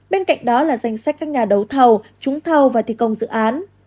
bên cạnh đó là danh sách các nhà đấu thầu trúng thầu và thi công dự án